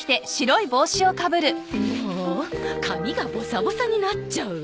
もう髪がボサボサになっちゃう。